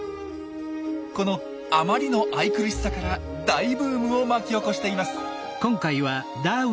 このあまりの愛くるしさから大ブームを巻き起こしています！